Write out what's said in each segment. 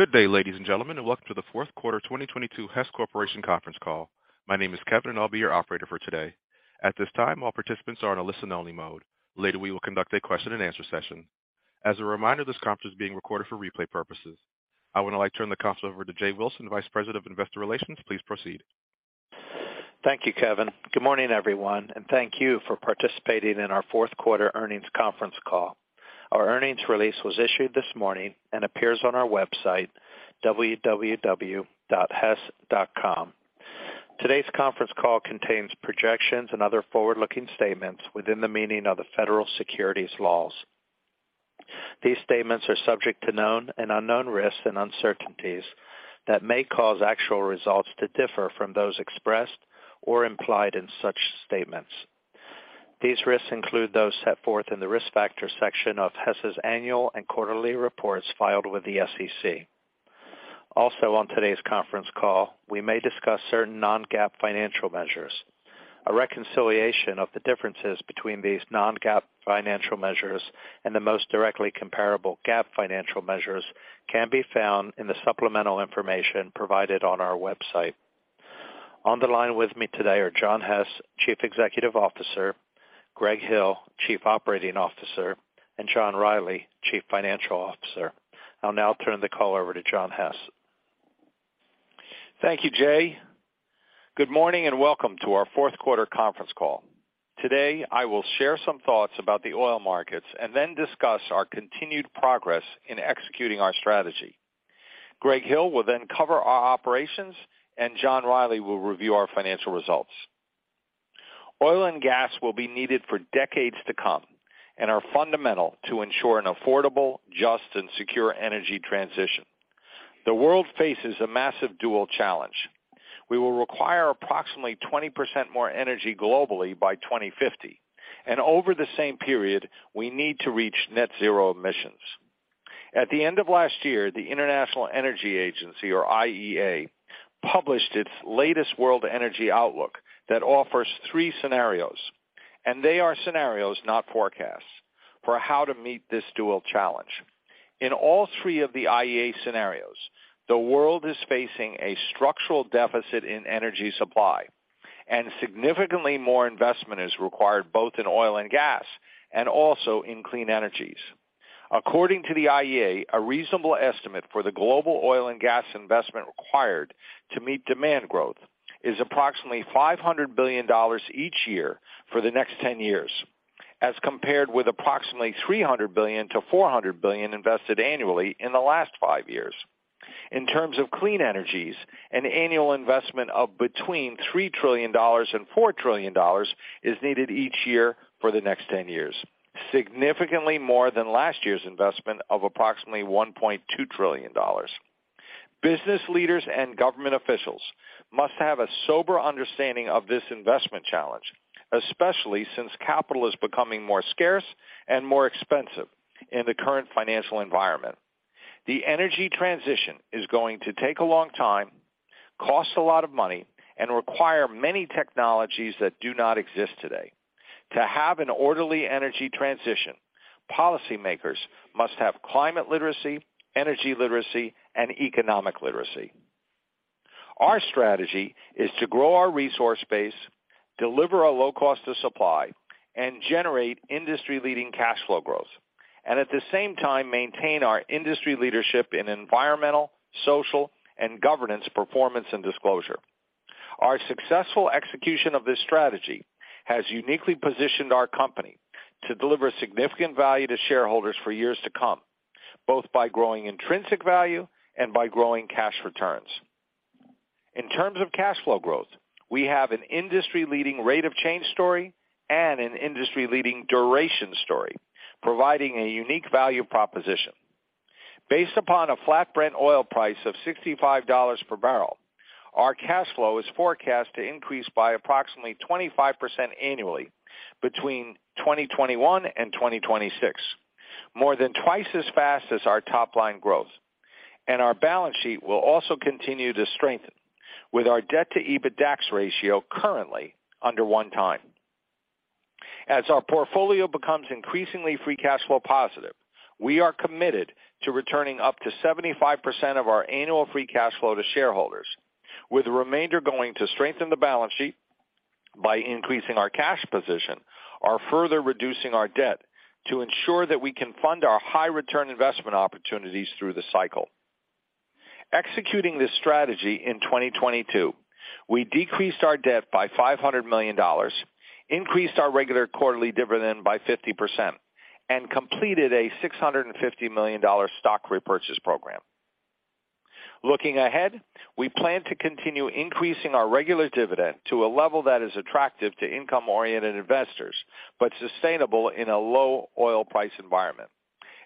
Good day, ladies and gentlemen, and welcome to the fourth quarter 2022 Hess Corporation conference call. My name is Kevin, and I'll be your operator for today. At this time, all participants are in a listen only mode. Later, we will conduct a question and answer session. As a reminder, this conference is being recorded for replay purposes. I would now like to turn the conference over to Jay Wilson, vice president of investor relations. Please proceed. Thank you, Kevin. Good morning, everyone, and thank you for participating in our fourth quarter earnings conference call. Our earnings release was issued this morning and appears on our website, www.hess.com. Today's conference call contains projections and other forward-looking statements within the meaning of the federal securities laws. These statements are subject to known and unknown risks and uncertainties that may cause actual results to differ from those expressed or implied in such statements. These risks include those set forth in the Risk Factors section of Hess's annual and quarterly reports filed with the SEC. Also, on today's conference call, we may discuss certain non-GAAP financial measures. A reconciliation of the differences between these non-GAAP financial measures and the most directly comparable GAAP financial measures can be found in the supplemental information provided on our website. On the line with me today are John Hess, Chief Executive Officer, Greg Hill, Chief Operating Officer, and John Rielly, Chief Financial Officer. I'll now turn the call over to John Hess. Thank you, Jay. Good morning and welcome to our fourth quarter conference call. Today I will share some thoughts about the oil markets and then discuss our continued progress in executing our strategy. Greg Hill will then cover our operations, and John Rielly will review our financial results. Oil and gas will be needed for decades to come and are fundamental to ensure an affordable, just, and secure energy transition. The world faces a massive dual challenge. We will require approximately 20% more energy globally by 2050, and over the same period we need to reach net zero emissions. At the end of last year, the International Energy Agency, or IEA, published its latest World Energy Outlook that offers three scenarios, and they are scenarios, not forecasts, for how to meet this dual challenge. In all three of the IEA scenarios, the world is facing a structural deficit in energy supply. Significantly more investment is required both in oil and gas and also in clean energies. According to the IEA, a reasonable estimate for the global oil and gas investment required to meet demand growth is approximately $500 billion each year for the next 10 years, as compared with approximately $300 billion–$400 billion invested annually in the last five years. In terms of clean energies, an annual investment of between $3 trillion and $4 trillion is needed each year for the next 10 years, significantly more than last year's investment of approximately $1.2 trillion. Business leaders and government officials must have a sober understanding of this investment challenge, especially since capital is becoming more scarce and more expensive in the current financial environment. The energy transition is going to take a long time, cost a lot of money, and require many technologies that do not exist today. To have an orderly energy transition, policymakers must have climate literacy, energy literacy, and economic literacy. Our strategy is to grow our resource base, deliver a low cost of supply, and generate industry-leading cash flow growth, and at the same time maintain our industry leadership in environmental, social, and governance performance and disclosure. Our successful execution of this strategy has uniquely positioned our company to deliver significant value to shareholders for years to come, both by growing intrinsic value and by growing cash returns. In terms of cash flow growth, we have an industry-leading rate of change story and an industry-leading duration story providing a unique value proposition. Based upon a flat Brent oil price of $65 per barrel, our cash flow is forecast to increase by approximately 25% annually between 2021 and 2026, more than twice as fast as our top line growth. Our balance sheet will also continue to strengthen with our debt to EBITDAX ratio currently under 1 time. As our portfolio becomes increasingly free cash flow positive, we are committed to returning up to 75% of our annual free cash flow to shareholders, with the remainder going to strengthen the balance sheet by increasing our cash position or further reducing our debt to ensure that we can fund our high return investment opportunities through the cycle. Executing this strategy in 2022, we decreased our debt by $500 million, increased our regular quarterly dividend by 50%, and completed a $650 million stock repurchase program. Looking ahead, we plan to continue increasing our regular dividend to a level that is attractive to income-oriented investors but sustainable in a low oil price environment.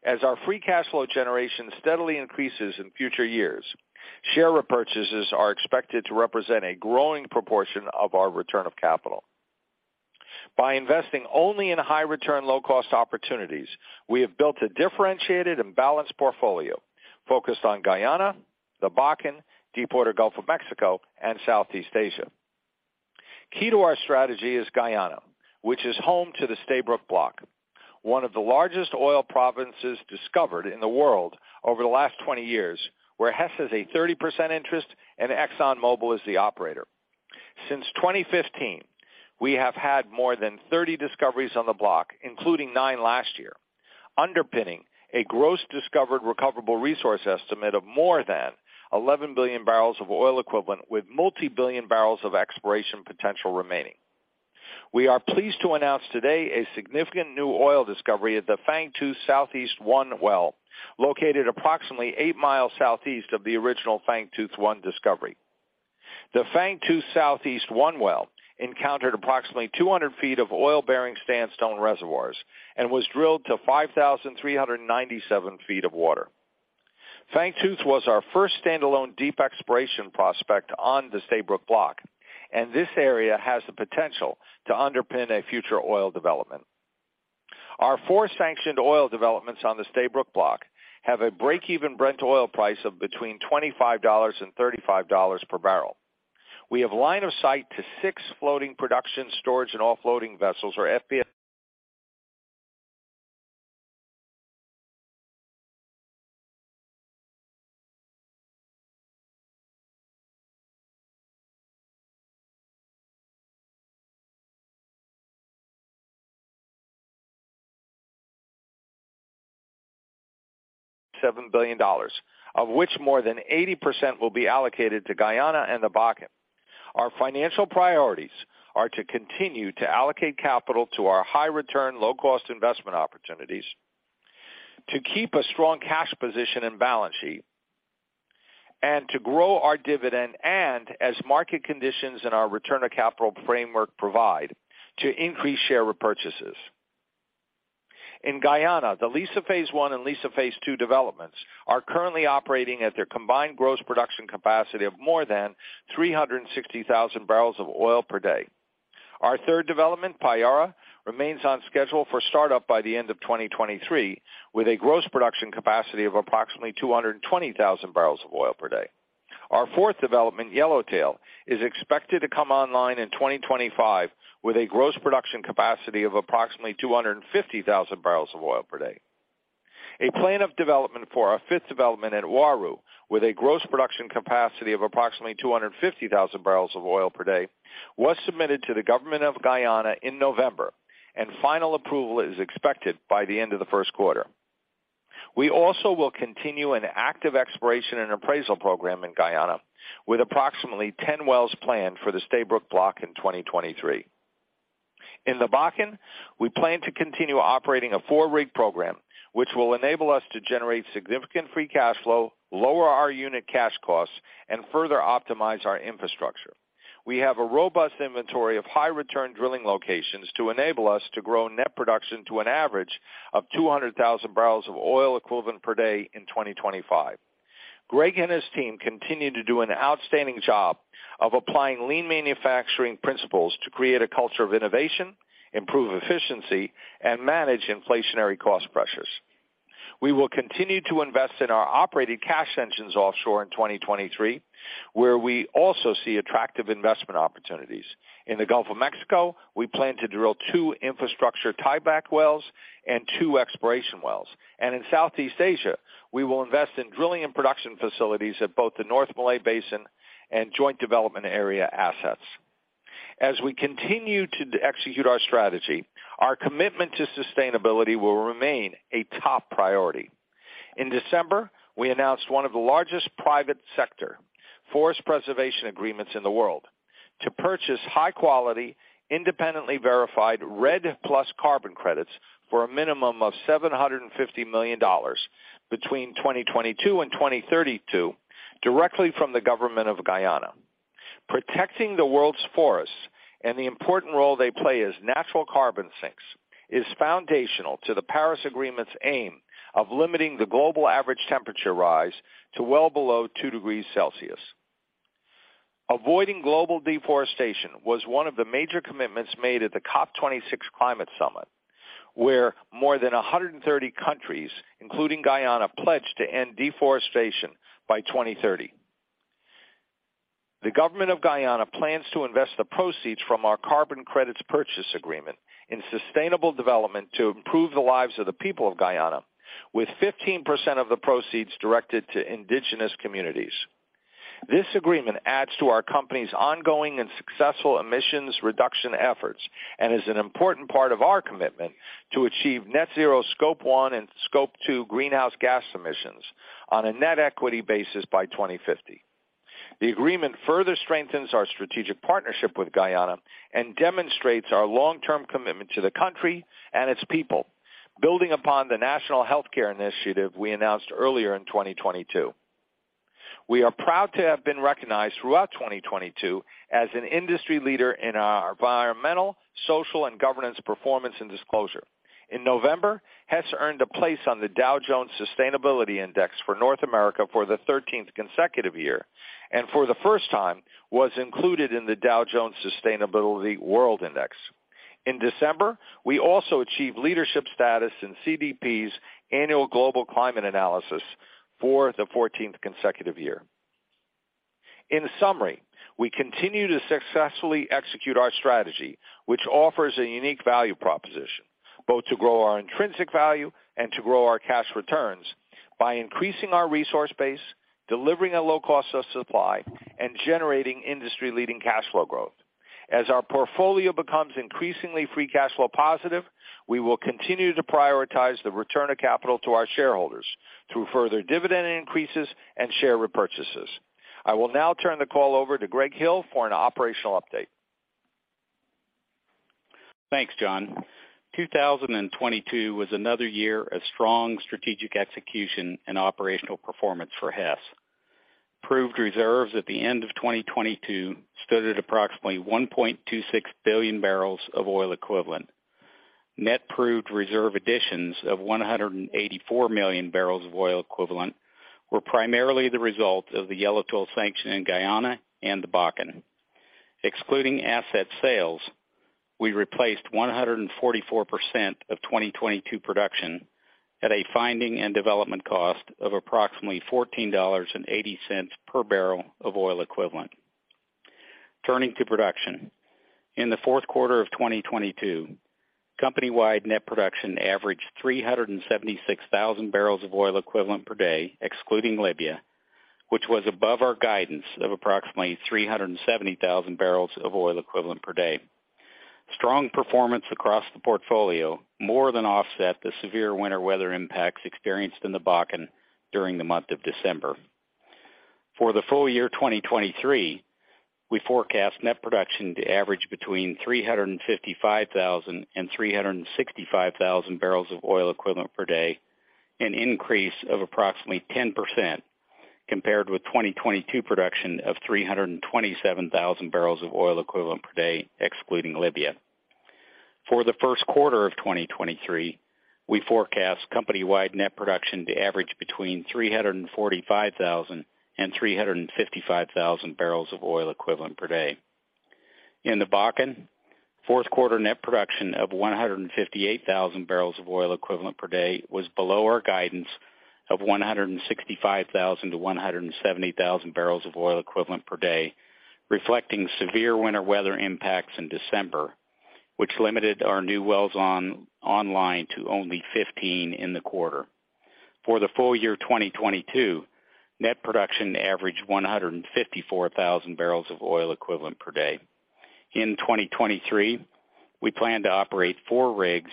As our free cash flow generation steadily increases in future years, share repurchases are expected to represent a growing proportion of our return of capital. By investing only in high return, low cost opportunities, we have built a differentiated and balanced portfolio focused on Guyana, the Bakken, Deepwater Gulf of Mexico, and Southeast Asia. Key to our strategy is Guyana, which is home to the Stabroek Block, one of the largest oil provinces discovered in the world over the last 20 years, where Hess has a 30% interest and ExxonMobil is the operator. Since 2015, we have had more than 30 discoveries on the block, including 9 last year, underpinning a gross discovered recoverable resource estimate of more than 11 billion barrels of oil equivalent, with multi-billion barrels of exploration potential remaining. We are pleased to announce today a significant new oil discovery at the Fangtooth Southeast-one well, located approximately 8 miles southeast of the original Fangtooth-one discovery. The Fangtooth Southeast-one well encountered approximately 200 feet of oil-bearing sandstone reservoirs and was drilled to 5,397 feet of water. Fangtooth was our first standalone deep exploration prospect on the Stabroek Block. This area has the potential to underpin a future oil development. Our 4 sanctioned oil developments on the Stabroek Block have a break-even Brent oil price of between $25 and $35 per barrel. We have line of sight to 6 floating production storage and offloading vessels or FPSOs. $7 billion, of which more than 80% will be allocated to Guyana and the Bakken. Our financial priorities are to continue to allocate capital to our high return, low cost investment opportunities, to keep a strong cash position and balance sheet, and to grow our dividend and as market conditions and our return of capital framework provide, to increase share repurchases. In Guyana, the Liza Phase One and Liza Phase Two developments are currently operating at their combined gross production capacity of more than 360,000 barrels of oil per day. Our third development, Payara, remains on schedule for startup by the end of 2023, with a gross production capacity of approximately 220,000 barrels of oil per day. Our fourth development, Yellowtail, is expected to come online in 2025 with a gross production capacity of approximately 250,000 barrels of oil per day. A plan of development for our fifth development at Uaru, with a gross production capacity of approximately 250,000 barrels of oil per day, was submitted to the Government of Guyana in November, and final approval is expected by the end of the first quarter. We also will continue an active exploration and appraisal program in Guyana with approximately 10 wells planned for the Stabroek Block in 2023. In the Bakken, we plan to continue operating a four-rig program, which will enable us to generate significant free cash flow, lower our unit cash costs, and further optimize our infrastructure. We have a robust inventory of high return drilling locations to enable us to grow net production to an average of 200,000 barrels of oil equivalent per day in 2025. Greg and his team continue to do an outstanding job of applying lean manufacturing principles to create a culture of innovation, improve efficiency and manage inflationary cost pressures. We will continue to invest in our operated cash engines offshore in 2023, where we also see attractive investment opportunities. In the Gulf of Mexico, we plan to drill 2 infrastructure tieback wells and 2 exploration wells. In Southeast Asia, we will invest in drilling and production facilities at both the North Malay Basin and Joint Development Area assets. As we continue to execute our strategy, our commitment to sustainability will remain a top priority. In December, we announced one of the largest private sector forest preservation agreements in the world to purchase high quality, independently verified REDD+ carbon credits for a minimum of $750 million between 2022 and 2032 directly from the Government of Guyana. Protecting the world's forests and the important role they play as natural carbon sinks is foundational to the Paris Agreement's aim of limiting the global average temperature rise to well below 2 degrees Celsius. Avoiding global deforestation was one of the major commitments made at the COP26 climate summit, where more than 130 countries, including Guyana, pledged to end deforestation by 2030. The Government of Guyana plans to invest the proceeds from our carbon credits purchase agreement in sustainable development to improve the lives of the people of Guyana, with 15% of the proceeds directed to indigenous communities. This agreement adds to our company's ongoing and successful emissions reduction efforts and is an important part of our commitment to achieve net zero Scope 1 and Scope 2 greenhouse gas emissions on a net equity basis by 2050. The agreement further strengthens our strategic partnership with Guyana and demonstrates our long-term commitment to the country and its people, building upon the national healthcare initiative we announced earlier in 2022. We are proud to have been recognized throughout 2022 as an industry leader in our environmental, social, and governance performance and disclosure. In November, Hess earned a place on the Dow Jones Sustainability Index for North America for the 13th consecutive year, for the first time was included in the Dow Jones Sustainability World Index. In December, we also achieved leadership status in CDP's annual global climate analysis for the 14th consecutive year. In summary, we continue to successfully execute our strategy, which offers a unique value proposition, both to grow our intrinsic value and to grow our cash returns by increasing our resource base, delivering a low cost of supply, and generating industry-leading cash flow growth. As our portfolio becomes increasingly free cash flow positive, we will continue to prioritize the return of capital to our shareholders through further dividend increases and share repurchases. I will now turn the call over to Greg Hill for an operational update. Thanks, John. 2022 was another year of strong strategic execution and operational performance for Hess. Proved reserves at the end of 2022 stood at approximately 1.26 billion barrels of oil equivalent. Net proved reserve additions of 184 million barrels of oil equivalent were primarily the result of the Yellowtail sanction in Guyana and the Bakken. Excluding asset sales, we replaced 144% of 2022 production at a finding and development cost of approximately $14.80 per barrel of oil equivalent. Turning to production. In the fourth quarter of 2022, company-wide net production averaged 376,000 barrels of oil equivalent per day, excluding Libya, which was above our guidance of approximately 370,000 barrels of oil equivalent per day. Strong performance across the portfolio more than offset the severe winter weather impacts experienced in the Bakken during the month of December. For the full year 2023, we forecast net production to average between 355,000 and 365,000 barrels of oil equivalent per day, an increase of approximately 10% compared with 2022 production of 327,000 barrels of oil equivalent per day, excluding Libya. For the first quarter of 2023, we forecast company-wide net production to average between 345,000 and 355,000 barrels of oil equivalent per day. In the Bakken, fourth quarter net production of 158,000 barrels of oil equivalent per day was below our guidance of 165,000–170,000 barrels of oil equivalent per day, reflecting severe winter weather impacts in December, which limited our new wells online to only 15 in the quarter. For the full year 2022, net production averaged 154,000 barrels of oil equivalent per day. In 2023, we plan to operate 4 rigs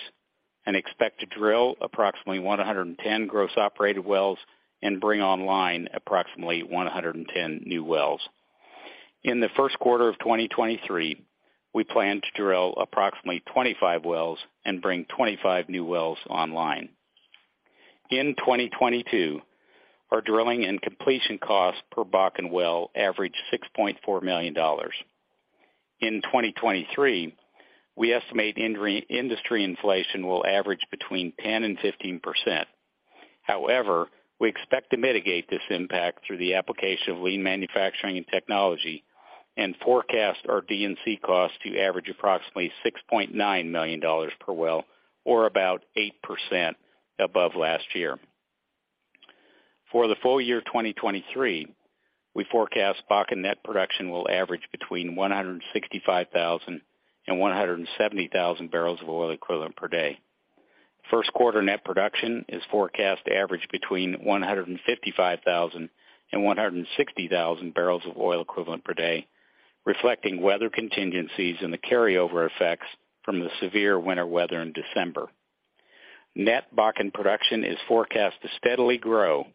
and expect to drill approximately 110 gross operated wells and bring online approximately 110 new wells. In the first quarter of 2023, we plan to drill approximately 25 wells and bring 25 new wells online. In 2022, our drilling and completion costs per Bakken well averaged $6.4 million. In 2023, we estimate industry inflation will average between 10% and 15%. However, we expect to mitigate this impact through the application of lean manufacturing and technology and forecast our DNC costs to average approximately $6.9 million per well or about 8% above last year. For the full year 2023, we forecast Bakken net production will average between 165,000 and 170,000 barrels of oil equivalent per day. First quarter net production is forecast to average between 155,000 and 160,000 barrels of oil equivalent per day, reflecting weather contingencies and the carryover effects from the severe winter weather in December. Net Bakken production is forecast to steadily grow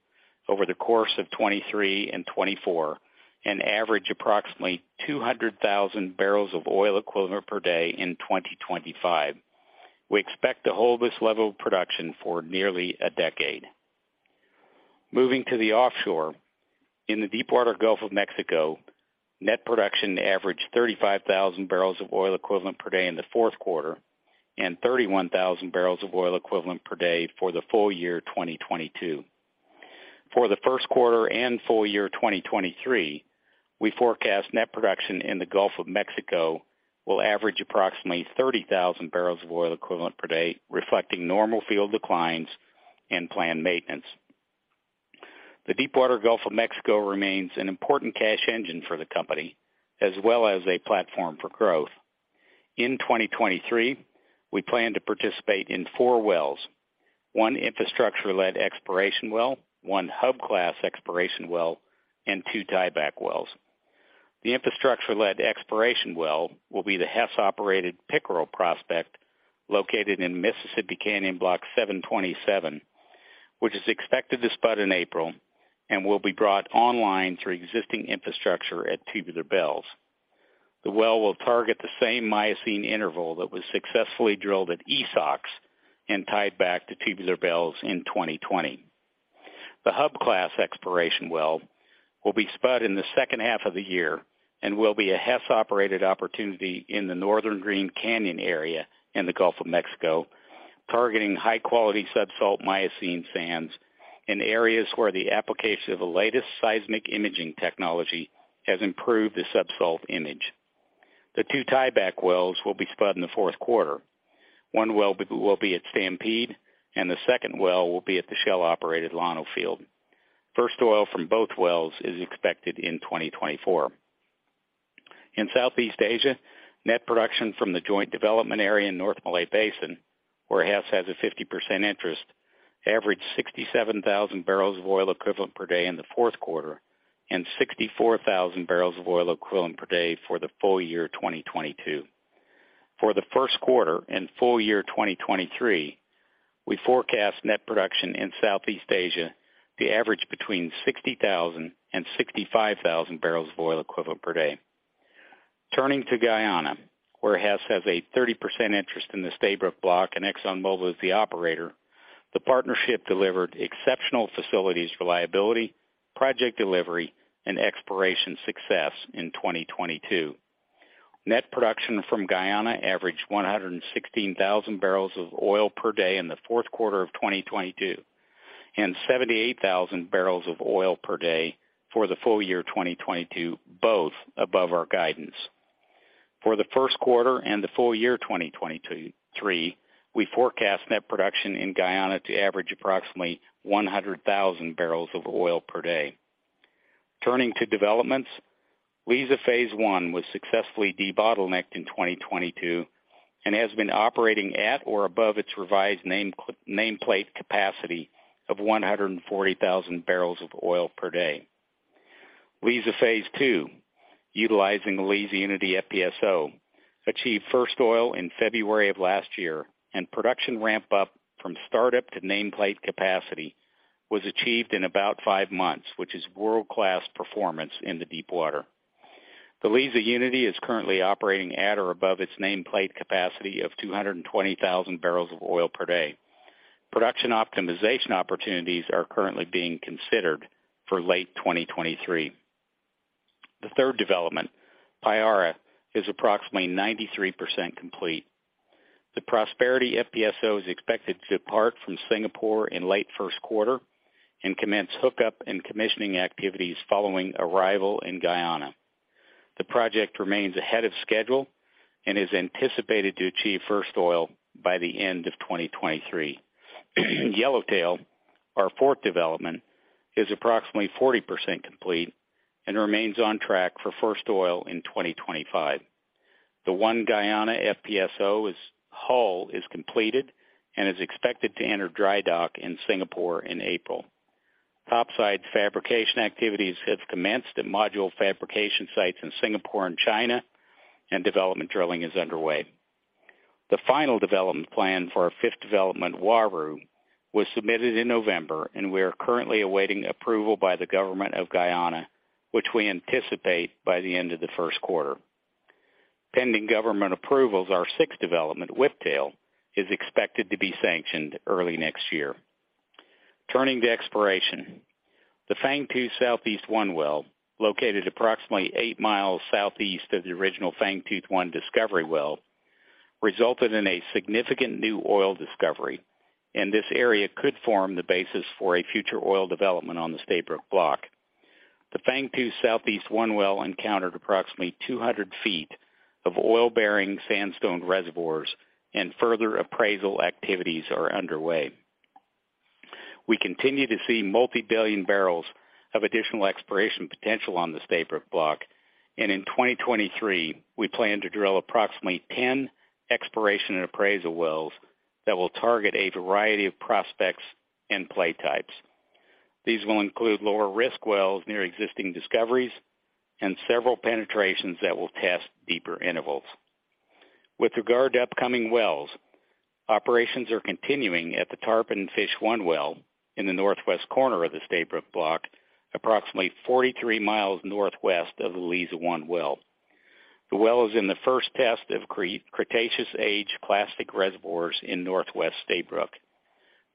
over the course of 2023 and 2024 and average approximately 200,000 barrels of oil equivalent per day in 2025. We expect to hold this level of production for nearly a decade. Moving to the offshore. In the Deepwater Gulf of Mexico, net production averaged 35,000 barrels of oil equivalent per day in the fourth quarter and 31,000 barrels of oil equivalent per day for the full year 2022. For the first quarter and full year 2023, we forecast net production in the Gulf of Mexico will average approximately 30,000 barrels of oil equivalent per day, reflecting normal field declines and planned maintenance. The Deepwater Gulf of Mexico remains an important cash engine for the company, as well as a platform for growth. In 2023, we plan to participate in four wells, one infrastructure-led exploration well, one hub-class exploration well, and two tieback wells. The infrastructure-led exploration well will be the Hess-operated Pickerel prospect located in Mississippi Canyon Block 727, which is expected to spud in April and will be brought online through existing infrastructure at Tubular Bells. The well will target the same Miocene interval that was successfully drilled at Esox and tied back to Tubular Bells in 2020. The hub-class exploration well will be spud in the second half of the year and will be a Hess-operated opportunity in the Northern Green Canyon area in the Gulf of Mexico, targeting high-quality subsalt Miocene sands in areas where the application of the latest seismic imaging technology has improved the sub-salt image. The two tieback wells will be spud in the fourth quarter. One well will be at Stampede and the second well will be at the Shell-operated Llano field. First oil from both wells is expected in 2024. In Southeast Asia, net production from the joint development area in North Malay Basin, where Hess has a 50% interest, averaged 67,000 barrels of oil equivalent per day in the fourth quarter and 64,000 barrels of oil equivalent per day for the full year 2022. For the first quarter and full year 2023, we forecast net production in Southeast Asia to average between 60,000 and 65,000 barrels of oil equivalent per day. Turning to Guyana, where Hess has a 30% interest in the Stabroek Block and ExxonMobil is the operator, the partnership delivered exceptional facilities reliability, project delivery and exploration success in 2022. Net production from Guyana averaged 116,000 barrels of oil per day in the fourth quarter of 2022, and 78,000 barrels of oil per day for the full year 2022, both above our guidance. For the first quarter and the full year 2023, we forecast net production in Guyana to average approximately 100,000 barrels of oil per day. Turning to developments, Liza Phase One was successfully debottlenecked in 2022 and has been operating at or above its revised nameplate capacity of 140,000 barrels of oil per day. Liza Phase Two, utilizing Liza Unity FPSO, achieved first oil in February of last year, and production ramp up from start-up to nameplate capacity was achieved in about five months, which is world-class performance in the deepwater. The Liza Unity is currently operating at or above its nameplate capacity of 220,000 barrels of oil per day. Production optimization opportunities are currently being considered for late 2023. The third development, Payara, is approximately 93% complete. The Prosperity FPSO is expected to depart from Singapore in late first quarter and commence hookup and commissioning activities following arrival in Guyana. The project remains ahead of schedule and is anticipated to achieve first oil by the end of 2023. Yellowtail, our fourth development, is approximately 40% complete and remains on track for first oil in 2025. The One Guyana FPSO's hull is completed and is expected to enter dry dock in Singapore in April. Topside fabrication activities have commenced at module fabrication sites in Singapore and China, and development drilling is underway. The final development plan for our fifth development, Uaru, was submitted in November. We are currently awaiting approval by the Government of Guyana, which we anticipate by the end of the first quarter. Pending government approvals, our sixth development, Whiptail, is expected to be sanctioned early next year. Turning to exploration. The Fangtooth Southeast-one well, located approximately eight miles southeast of the original Fangtooth-one discovery well, resulted in a significant new oil discovery. This area could form the basis for a future oil development on the Stabroek Block. The Fangtooth Southeast-one well encountered approximately 200 feet of oil-bearing sandstone reservoirs. Further appraisal activities are underway. We continue to see multi-billion barrels of additional exploration potential on the Stabroek Block. In 2023, we plan to drill approximately 10 exploration and appraisal wells that will target a variety of prospects and play types. These will include lower risk wells near existing discoveries and several penetrations that will test deeper intervals. With regard to upcoming wells, operations are continuing at the Tarpon Fish-1 well in the northwest corner of the Stabroek Block, approximately 43 miles northwest of the Liza-1 well. The well is in the first test of Cretaceous Age clastic reservoirs in northwest Stabroek.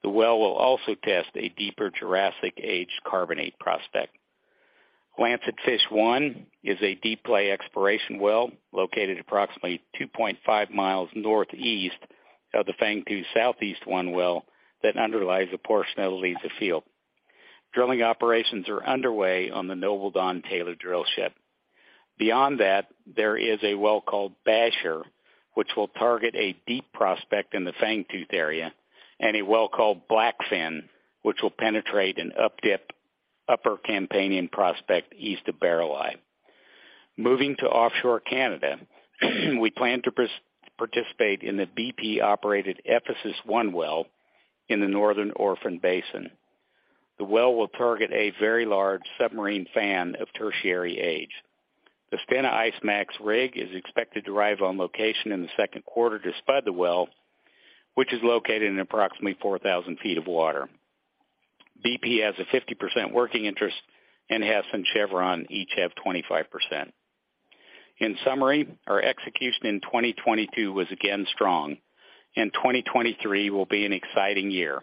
The well will also test a deeper Jurassic Age carbonate prospect. Lancetfish-1 is a deep play exploration well located approximately 2.5 miles northeast of the Fangtooth SE-1 well that underlies a portion of the Liza field. Drilling operations are underway on the Noble Don Taylor drillship. There is a well called Basher, which will target a deep prospect in the Fangtooth area, and a well called Blackfin, which will penetrate an up-dip Upper Campanian prospect east of Barreleye. Moving to offshore Canada, we plan to participate in the BP-operated Ephesus-one well in the Northern Orphan Basin. The well will target a very large submarine fan of Tertiary Age. The Stena IceMAX rig is expected to arrive on location in the second quarter to spud the well, which is located in approximately 4,000 feet of water. BP has a 50% working interest and Hess and Chevron each have 25%. In summary, our execution in 2022 was again strong and 2023 will be an exciting year.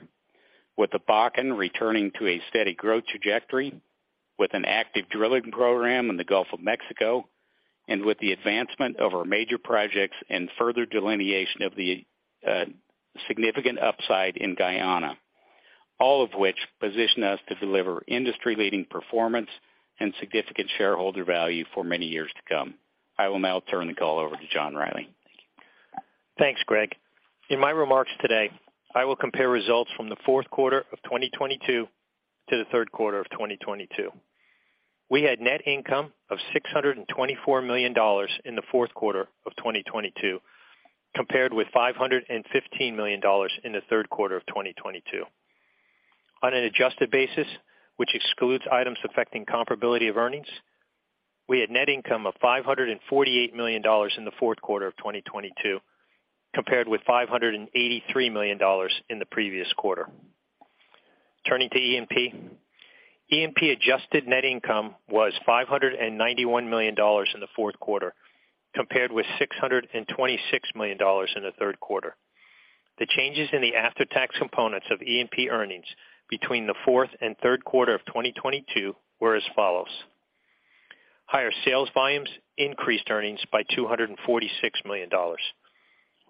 With the Bakken returning to a steady growth trajectory, with an active drilling program in the Gulf of Mexico and with the advancement of our major projects and further delineation of the significant upside in Guyana, all of which position us to deliver industry-leading performance and significant shareholder value for many years to come. I will now turn the call over to John Rielly. Thank you. Thanks, Greg. In my remarks today, I will compare results from the fourth quarter of 2022 to the third quarter of 2022. We had net income of $624 million in the fourth quarter of 2022, compared with $515 million in the third quarter of 2022. On an adjusted basis, which excludes items affecting comparability of earnings, we had net income of $548 million in the fourth quarter of 2022, compared with $583 million in the previous quarter. Turning to E&P. E&P adjusted net income was $591 million in the fourth quarter, compared with $626 million in the third quarter. The changes in the after-tax components of E&P earnings between the fourth and third quarter of 2022 were as follows. Higher sales volumes increased earnings by $246 million.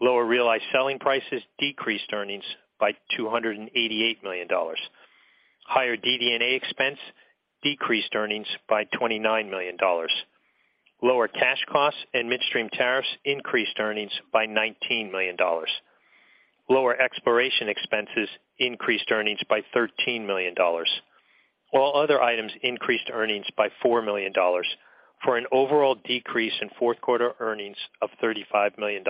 Lower realized selling prices decreased earnings by $288 million. Higher DD&A expense decreased earnings by $29 million. Lower cash costs and midstream tariffs increased earnings by $19 million. Lower exploration expenses increased earnings by $13 million. All other items increased earnings by $4 million, for an overall decrease in fourth quarter earnings of $35 million.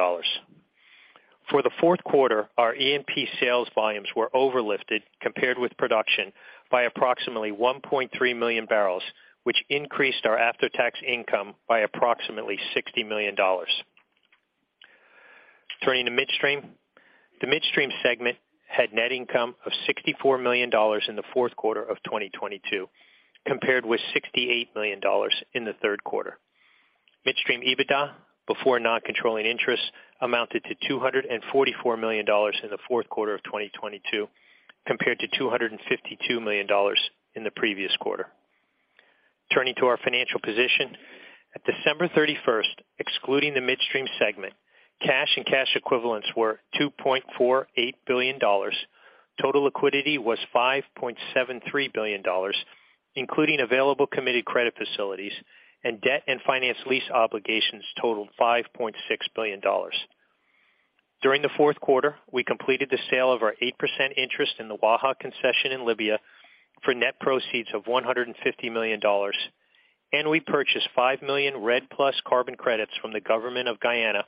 For the fourth quarter, our E&P sales volumes were overlifted compared with production by approximately 1.3 million barrels, which increased our after-tax income by approximately $60 million. Turning to midstream. The midstream segment had net income of $64 million in the fourth quarter of 2022, compared with $68 million in the third quarter. Midstream EBITDA, before non-controlling interest, amounted to $244 million in the fourth quarter of 2022, compared to $252 million in the previous quarter. Turning to our financial position. At December 31st, excluding the midstream segment, cash and cash equivalents were $2.48 billion. Total liquidity was $5.73 billion, including available committed credit facilities. Debt and finance lease obligations totaled $5.6 billion. During the fourth quarter, we completed the sale of our 8% interest in the Waha concession in Libya for net proceeds of $150 million. We purchased 5 million REDD+ carbon credits from the government of Guyana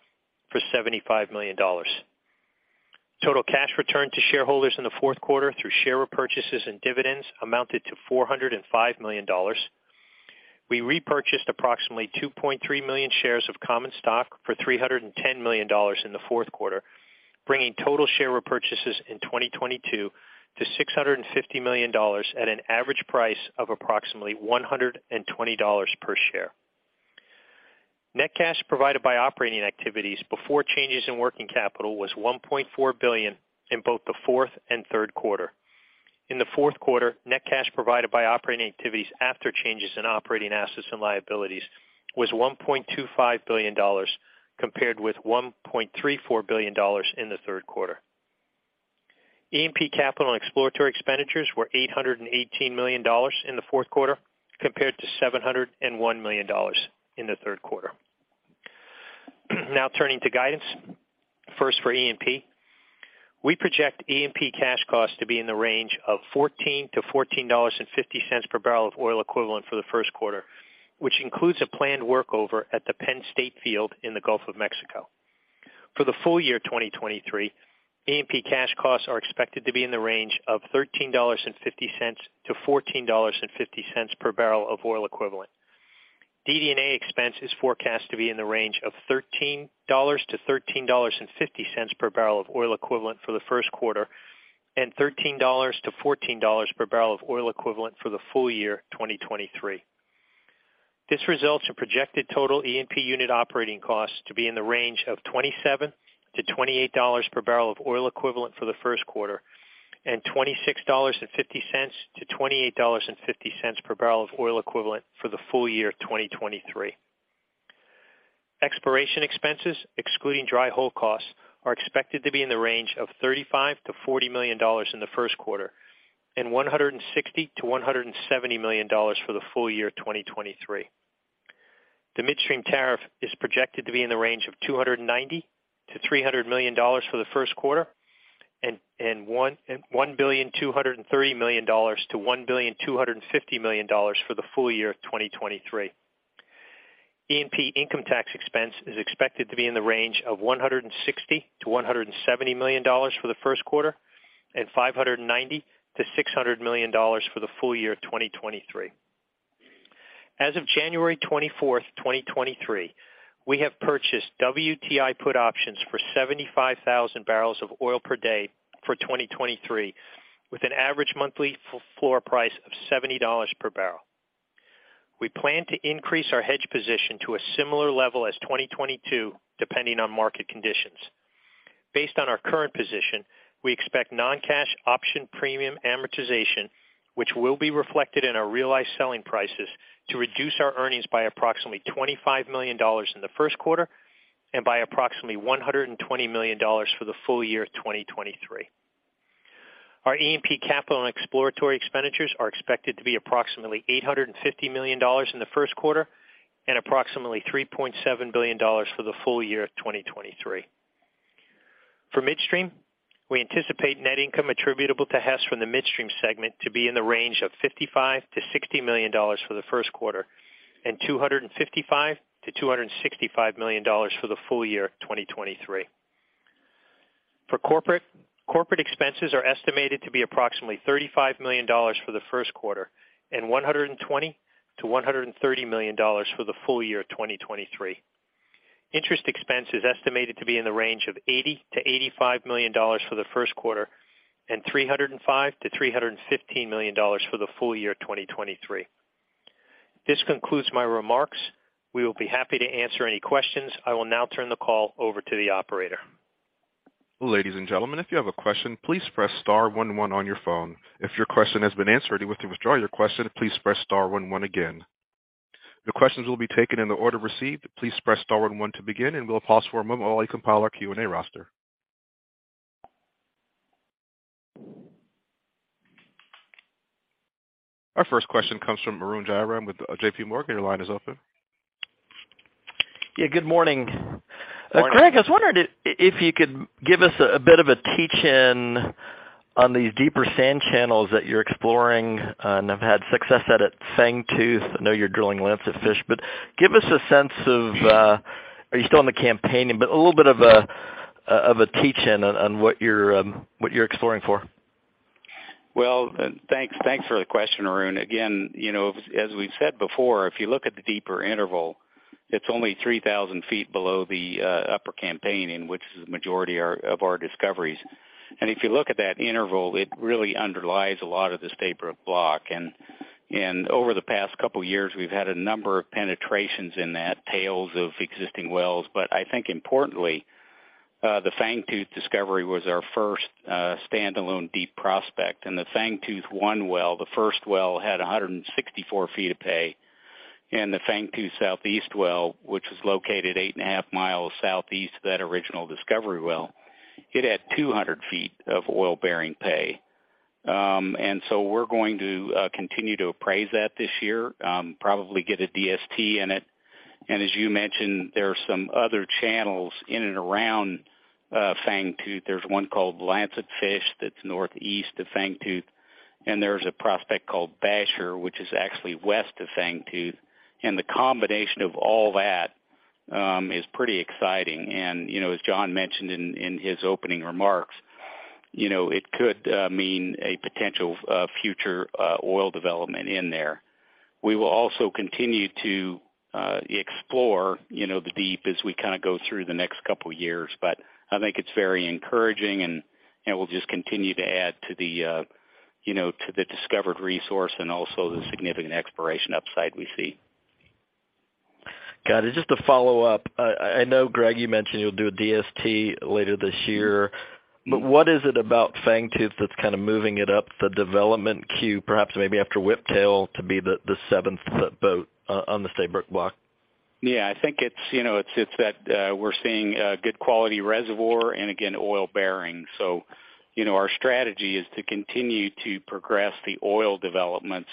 for $75 million. Total cash returned to shareholders in the fourth quarter through share repurchases and dividends amounted to $405 million. We repurchased approximately 2.3 million shares of common stock for $310 million in the fourth quarter, bringing total share repurchases in 2022 to $650 million at an average price of approximately $120 per share. Net cash provided by operating activities before changes in working capital was $1.4 billion in both the fourth and third quarter. In the fourth quarter, net cash provided by operating activities after changes in operating assets and liabilities was $1.25 billion, compared with $1.34 billion in the third quarter. E&P capital and exploratory expenditures were $818 million in the fourth quarter, compared to $701 million in the third quarter. Turning to guidance. First for E&P. We project E&P cash costs to be in the range of $14.00–$14.50 per barrel of oil equivalent for the first quarter, which includes a planned workover at the Penn State field in the Gulf of Mexico. The full year 2023, E&P cash costs are expected to be in the range of $13.50–$14.50 per barrel of oil equivalent. DD&A expense is forecast to be in the range of $13.00–$13.50 per barrel of oil equivalent for the first quarter, and $13.00–$14.00 per barrel of oil equivalent for the full year 2023. This results in projected total E&P unit operating costs to be in the range of $27–$28 per barrel of oil equivalent for the first quarter, and $26.50–$28.50 per barrel of oil equivalent for the full year 2023. Exploration expenses, excluding dry hole costs, are expected to be in the range of $35 million–$40 million in the first quarter and $160 million–$170 million for the full year 2023. The midstream tariff is projected to be in the range of $290 million–$300 million for the first quarter and $1.23 billion–$1.25 billion for the full year 2023. E&P income tax expense is expected to be in the range of $160 million–$170 million for the first quarter and $590 million–$600 million for the full year 2023. As of January 24, 2023, we have purchased WTI put options for 75,000 barrels of oil per day for 2023, with an average monthly floor price of $70 per barrel. We plan to increase our hedge position to a similar level as 2022, depending on market conditions. Based on our current position, we expect non-cash option premium amortization, which will be reflected in our realized selling prices to reduce our earnings by approximately $25 million in the first quarter and by approximately $120 million for the full year 2023. Our E&P capital and exploratory expenditures are expected to be approximately $850 million in the first quarter and approximately $3.7 billion for the full year 2023. For Midstream, we anticipate net income attributable to Hess from the Midstream segment to be in the range of $55 million–$60 million for the first quarter and $255 million–$265 million for the full year 2023. Corporate expenses are estimated to be approximately $35 million for the first quarter and $120 million–$130 million for the full year 2023. Interest expense is estimated to be in the range of $80 million–$85 million for the first quarter and $305 million–$315 million for the full year 2023. This concludes my remarks. We will be happy to answer any questions. I will now turn the call over to the operator. Ladies and gentlemen, if you have a question, please press star one one on your phone. If your question has been answered and you wish to withdraw your question, please press star one one again. The questions will be taken in the order received. Please press star one one to begin, and we'll pause for a moment while we compile our Q&A roster. Our first question comes from Arun Jayaram with JPMorgan. Your line is open. Yeah, good morning. Morning. Greg, I was wondering if you could give us a bit of a teach-in on these deeper sand channels that you're exploring and have had success at Fangtooth. I know you're drilling Lancetfish. Give us a sense of, are you still in the campaign? A little bit of a, of a teach-in on what you're exploring for. Well, thanks. Thanks for the question, Arun. You know, as we've said before, if you look at the deeper interval, it's only 3,000 feet below the Upper Campanian in which the majority of our discoveries. If you look at that interval, it really underlies a lot of the Stabroek Block. Over the past couple years, we've had a number of penetrations in that tails of existing wells. I think importantly, the Fangtooth discovery was our first standalone deep prospect. The Fangtooth-1 well, the first well, had 164 feet of pay. The Fangtooth SE well, which is located 8.5 miles southeast of that original discovery well, it had 200 feet of oil-bearing pay. We're going to continue to appraise that this year, probably get a DST in it. As you mentioned, there are some other channels in and around Fangtooth. There's one called Lancetfish that's northeast of Fangtooth, and there's a prospect called Basher, which is actually west of Fangtooth. The combination of all that is pretty exciting. You know, as John mentioned in his opening remarks, you know, it could mean a potential future oil development in there. We will also continue to explore, you know, the deep as we kinda go through the next couple years. I think it's very encouraging, and we'll just continue to add to the, you know, to the discovered resource and also the significant exploration upside we see. Got it. Just a follow-up. I know, Greg, you mentioned you'll do a DST later this year. What is it about Fangtooth that's kinda moving it up the development queue, perhaps maybe after Whiptail to be the seventh boat on the Stabroek Block? I think it's, you know, it's that we're seeing a good quality reservoir and again, oil bearing. So, you know, our strategy is to continue to progress the oil developments,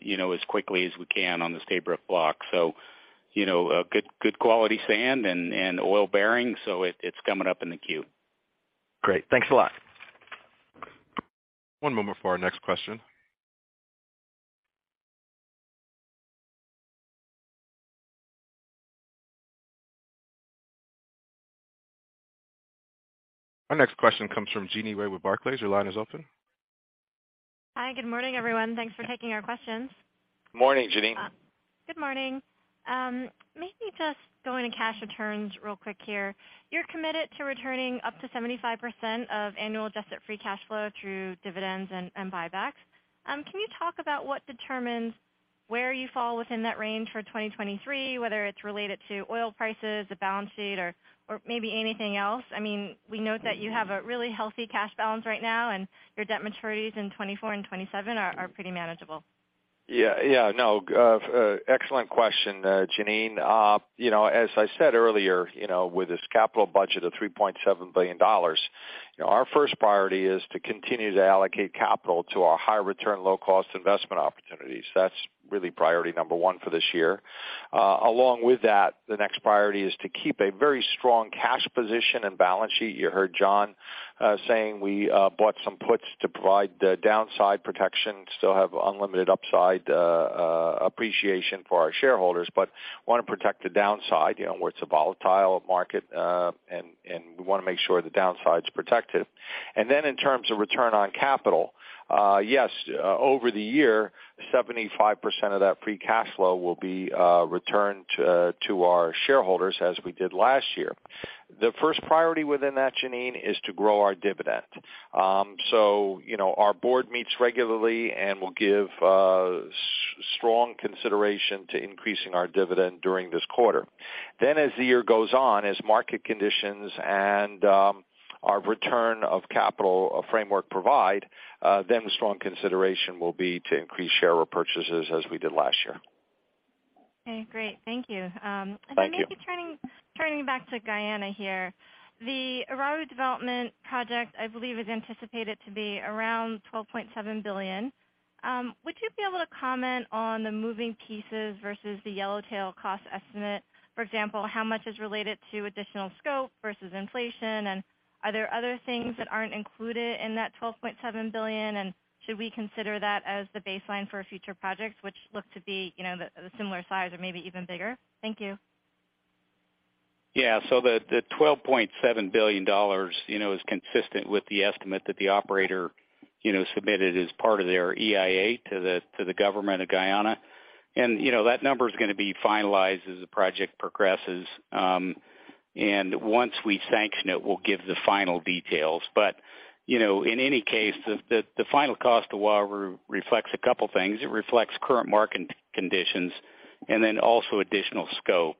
you know, as quickly as we can on the Stabroek Block. So, you know, a good quality sand and oil bearing. So it's coming up in the queue. Great. Thanks a lot. One moment for our next question. Our next question comes from Jeanine Wai with Barclays. Your line is open. Hi. Good morning, everyone. Thanks for taking our questions. Morning, Jeanine. Good morning. Maybe just going to cash returns real quick here. You're committed to returning up to 75% of annual adjusted free cash flow through dividends and buybacks. Can you talk about what determines where you fall within that range for 2023, whether it's related to oil prices, the balance sheet or maybe anything else? I mean, we note that you have a really healthy cash balance right now, and your debt maturities in 2024 and 2027 are pretty manageable. Yeah. Yeah. No. Excellent question, Jeanine. You know, as I said earlier, you know, with this capital budget of $3.7 billion, you know, our first priority is to continue to allocate capital to our high return, low cost investment opportunities. That's really priority number one for this year. Along with that, the next priority is to keep a very strong cash position and balance sheet. You heard John saying we bought some puts to provide the downside protection, still have unlimited upside appreciation for our shareholders, but wanna protect the downside, you know, where it's a volatile market, and we wanna make sure the downside's protected. In terms of return on capital, yes, over the year, 75% of that free cash flow will be returned to our shareholders, as we did last year. The first priority within that, Jeanine, is to grow our dividend. You know, our board meets regularly and will give. Strong consideration to increasing our dividend during this quarter. As the year goes on, as market conditions and our return of capital framework provide, then strong consideration will be to increase share repurchases as we did last year. Okay, great. Thank you. Thank you. Maybe turning back to Guyana here. The Uaru development project, I believe, is anticipated to be around $12.7 billion. Would you be able to comment on the moving pieces versus the Yellowtail cost estimate? For example, how much is related to additional scope versus inflation? Are there other things that aren't included in that $12.7 billion? Should we consider that as the baseline for future projects which look to be, you know, the similar size or maybe even bigger? Thank you. Yeah. The, the $12.7 billion, you know, is consistent with the estimate that the operator, you know, submitted as part of their EIA to the, to the government of Guyana. You know, that number is gonna be finalized as the project progresses. And once we sanction it, we'll give the final details. You know, in any case, the, the final cost of Uaru reflects a couple things. It reflects current market conditions and then also additional scope.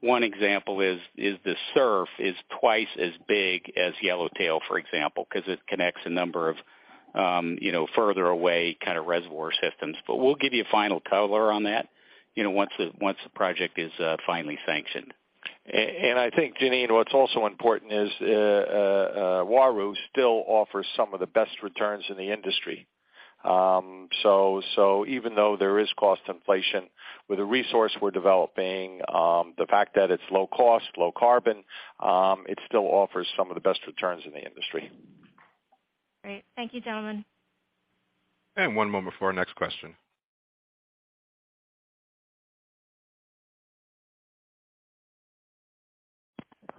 One example is the SURF is twice as big as Yellowtail, for example, because it connects a number of, you know, further away kind of reservoir systems. We'll give you a final color on that, you know, once the, once the project is finally sanctioned. I think, Jeanine, what's also important is, Uaru still offers some of the best returns in the industry. Even though there is cost inflation, with the resource we're developing, the fact that it's low cost, low carbon, it still offers some of the best returns in the industry. Great. Thank you, gentlemen. One moment for our next question.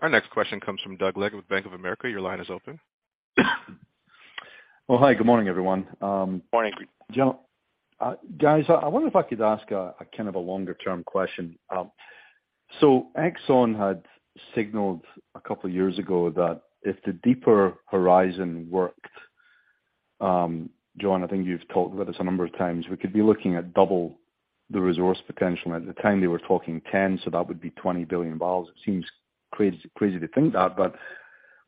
Our next question comes from Doug Leggate with Bank of America. Your line is open. Well, hi. Good morning, everyone. Morning. Guys, I wonder if I could ask a kind of a longer-term question. Exxon had signaled a couple years ago that if the deeper horizon worked, John, I think you've talked with us a number of times, we could be looking at double the resource potential. At the time they were talking 10, so that would be $20 billion. It seems crazy to think that.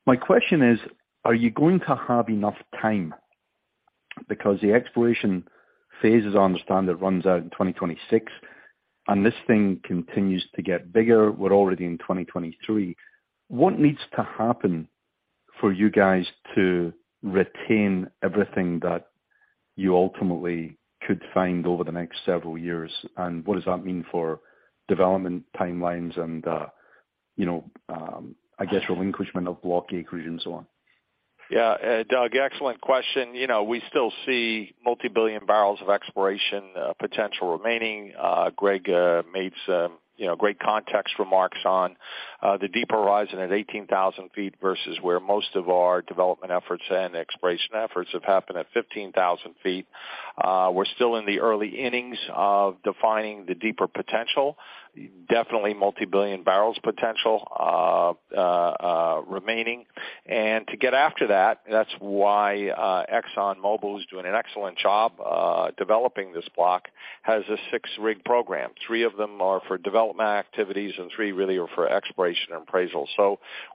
My question is, are you going to have enough time? Because the exploration phase, as I understand, it runs out in 2026, and this thing continues to get bigger. We're already in 2023. What needs to happen for you guys to retain everything that you ultimately could find over the next several years? What does that mean for development timelines and, you know, I guess relinquishment of block acreage and so on? Yeah, Doug, excellent question. You know, we still see multi-billion barrels of exploration potential remaining. Greg, made some, you know, great context remarks on the deeper horizon at 18,000 feet versus where most of our development efforts and exploration efforts have happened at 15,000 feet. We're still in the early innings of defining the deeper potential. Definitely multi-billion barrels potential remaining. To get after that's why ExxonMobil, who's doing an excellent job developing this block, has a 6-rig program. 3 of them are for development activities, and 3 really are for exploration and appraisal.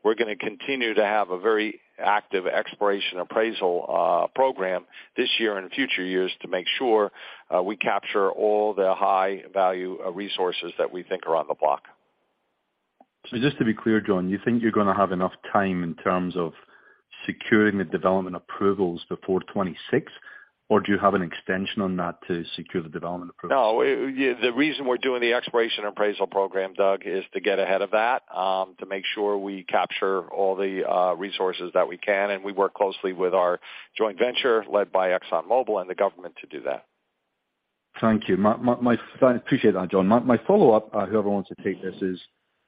We're gonna continue to have a very active exploration appraisal program this year and future years to make sure we capture all the high value resources that we think are on the block. Just to be clear, John, you think you're gonna have enough time in terms of securing the development approvals before 2026? Do you have an extension on that to secure the development approval? No. The reason we're doing the exploration appraisal program, Doug, is to get ahead of that, to make sure we capture all the resources that we can. We work closely with our joint venture led by ExxonMobil and the government to do that. Thank you. My, I appreciate that, John. My follow-up, whoever wants to take this is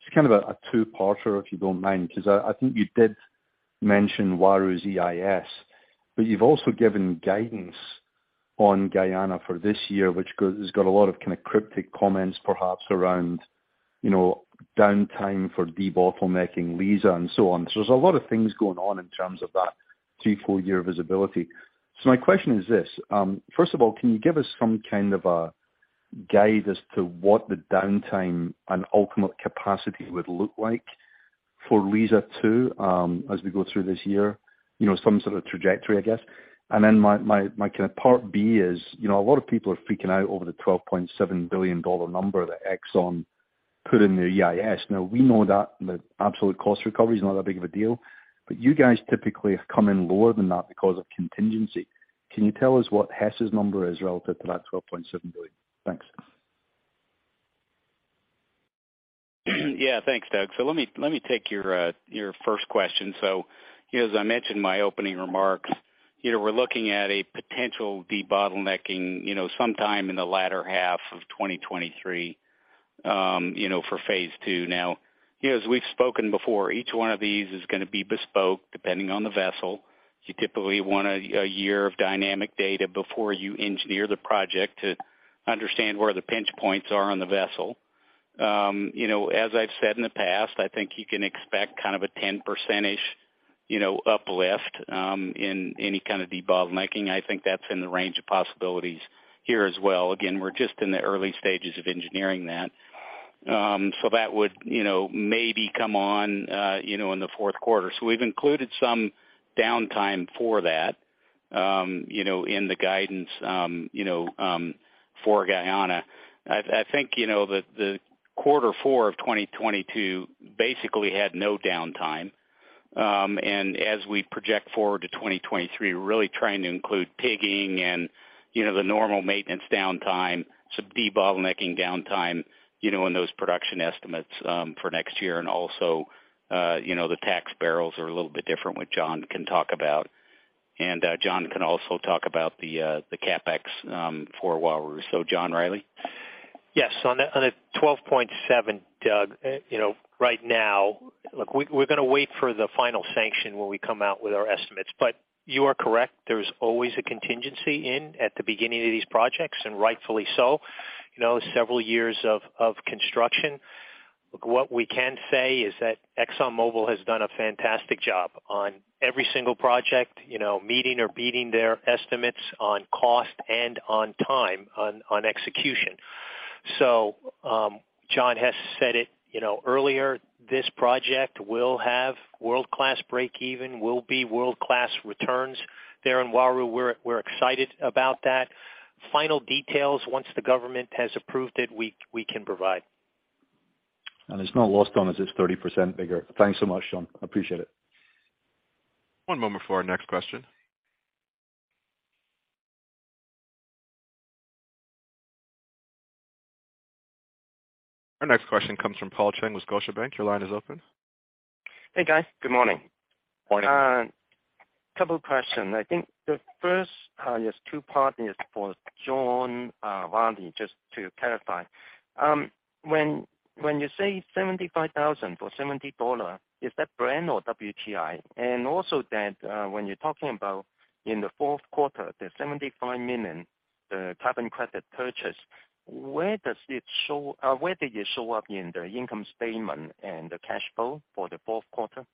just kind of a 2-parter, if you don't mind, because I think you did mention Uaru's EIS, but you've also given guidance on Guyana for this year, which has got a lot of kind of cryptic comments perhaps around, you know, downtime for debottlenecking Liza and so on. There's a lot of things going on in terms of that 2, 4-year visibility. My question is this, first of all, can you give us some kind of a guide as to what the downtime and ultimate capacity would look like for Liza 2 as we go through this year? You know, some sort of trajectory, I guess. My kind of part B is, you know, a lot of people are freaking out over the $12.7 billion number that Exxon put in their EIS. We know that the absolute cost recovery is not that big of a deal, but you guys typically have come in lower than that because of contingency. Can you tell us what Hess's number is relative to that $12.7 billion? Thanks. Yeah. Thanks, Doug. Let me take your first question. You know, as I mentioned in my opening remarks, you know, we're looking at a potential debottlenecking, you know, sometime in the latter half of 2023, you know, for phase two. Now, you know, as we've spoken before, each one of these is gonna be bespoke depending on the vessel. You typically want a year of dynamic data before you engineer the project to understand where the pinch points are on the vessel. You know, as I've said in the past, I think you can expect kind of a 10% you know, uplift in any kind of debottlenecking. I think that's in the range of possibilities here as well. Again, we're just in the early stages of engineering that. That would, you know, maybe come on, you know, in the fourth quarter. We've included some downtime for that, you know, in the guidance, you know, for Guyana. I think, you know, the quarter four of 2022 basically had no downtime. As we project forward to 2023, we're really trying to include pigging and, you know, the normal maintenance downtime, some debottlenecking downtime, you know, in those production estimates for next year. Also, you know, the tax barrels are a little bit different, what John can talk about. John can also talk about the CapEx for Uaru's. John Rielly? Yes. On the 12.7, Doug, you know, right now, we're gonna wait for the final sanction when we come out with our estimates. You are correct, there's always a contingency in at the beginning of these projects, and rightfully so, you know, several years of construction. What we can say is that ExxonMobil has done a fantastic job on every single project, you know, meeting or beating their estimates on cost and on time on execution. John Hess said it, you know, earlier, this project will have world-class break even, will be world-class returns there in Uaru's. We're excited about that. Final details, once the government has approved it, we can provide. it's not lost on us, it's 30% bigger. Thanks so much, John. I appreciate it. One moment for our next question. Our next question comes from Paul Cheng with Scotiabank. Your line is open. Hey, guys. Good morning. Morning. Couple questions. I think the first is two part, is for John Rielly, just to clarify. When you say 75,000 for $70, is that Brent or WTI? Also that, when you're talking about in the fourth quarter, the $75 million, the carbon credit purchase, where did you show up in the income statement and the cash flow for the fourth quarter?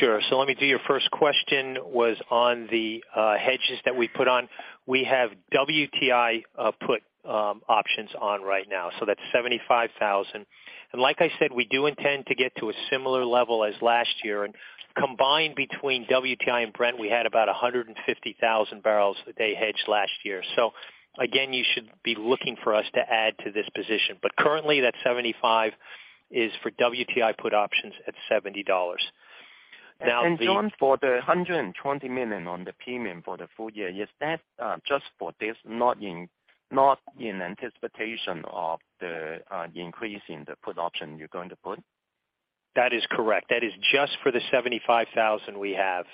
Sure. Let me do your first question, was on the hedges that we put on. We have WTI put options on right now, so that's $75,000. Like I said, we do intend to get to a similar level as last year. Combined between WTI and Brent, we had about 150,000 barrels a day hedged last year. Again, you should be looking for us to add to this position. Currently that $75 is for WTI put options at $70. John, for the $120 million on the premium for the full year, is that just for this, not in anticipation of the increase in the put option you're going to put? That is correct. That is just for the 75,000 we have.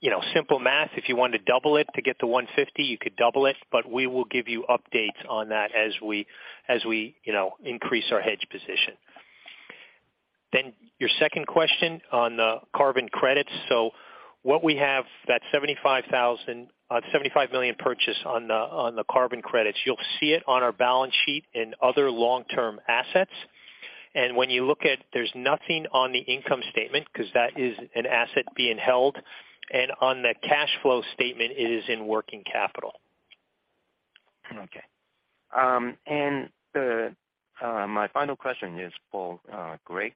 you know, simple math, if you want to double it to get to 150, you could double it, but we will give you updates on that as we, you know, increase our hedge position. Your second question on the carbon credits. What we have, that $75 million purchase on the carbon credits, you'll see it on our balance sheet in other long-term assets. When you look at, there's nothing on the income statement because that is an asset being held. On the cash flow statement, it is in working capital. Okay. My final question is for Greg.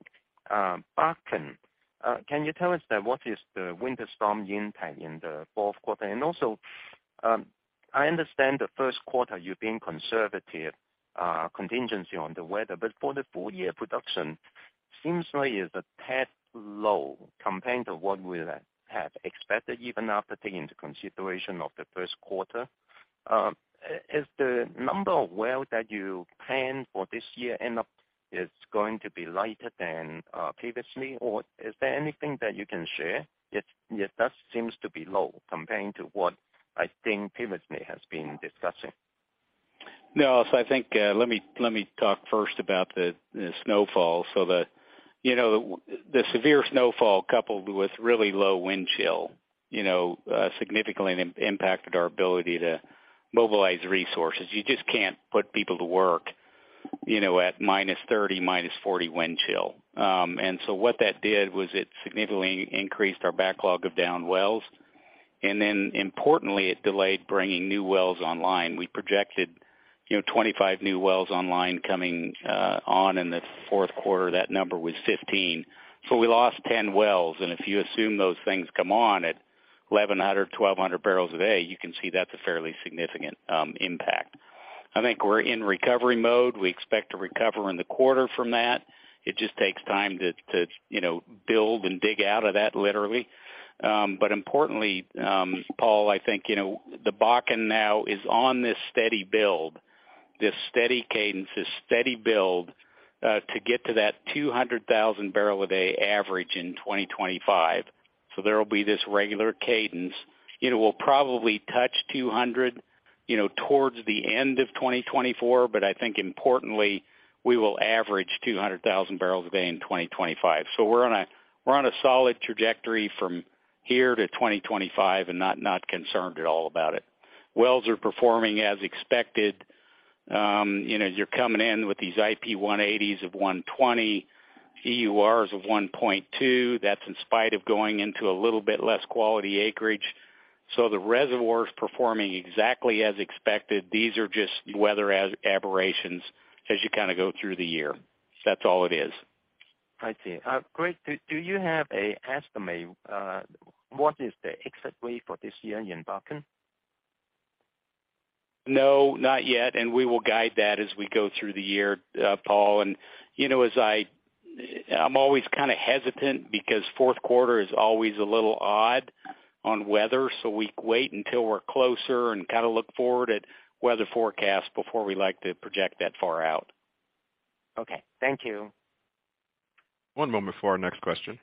Bakken, can you tell us that what is the winter storm impact in the fourth quarter? I understand the first quarter you're being conservative, contingency on the weather. For the full year production, seems like it's a tad low compared to what we have expected, even after taking into consideration of the first quarter. Is the number of wells that you plan for this year end up is going to be lighter than previously, or is there anything that you can share? It does seems to be low comparing to what I think previously has been discussing. No. I think, let me, let me talk first about the snowfall. The, you know, the severe snowfall coupled with really low wind chill, you know, significantly impacted our ability to mobilize resources. You just can't put people to work, you know, at minus 30, minus 40 wind chill. What that did was it significantly increased our backlog of down wells. Importantly, it delayed bringing new wells online. We projected, you know, 25 new wells online coming on in the fourth quarter. That number was 15, so we lost 10 wells. If you assume those things come on at 1,100, 1,200 barrels a day, you can see that's a fairly significant impact. I think we're in recovery mode. We expect to recover in the quarter from that. It just takes time to, you know, build and dig out of that, literally. But importantly, Paul, I think, you know, the Bakken now is on this steady build, this steady cadence, this steady build, to get to that 200,000 barrel a day average in 2025. There will be this regular cadence. It will probably touch 200, you know, towards the end of 2024, but I think importantly, we will average 200,000 barrels a day in 2025. We're on a solid trajectory from... Here to 2025 and not concerned at all about it. Wells are performing as expected. you know, you're coming in with these IP180s of 120, EURs of 1.2. That's in spite of going into a little bit less quality acreage. The reservoir is performing exactly as expected. These are just weather aberrations as you kind of go through the year. That's all it is. I see. Greg, do you have a estimate, what is the exit rate for this year in Bakken? No, not yet. We will guide that as we go through the year, Paul. you know, I'm always kinda hesitant because fourth quarter is always a little odd on weather, so we wait until we're closer and kinda look forward at weather forecasts before we like to project that far out. Okay, thank you. One moment for our next question.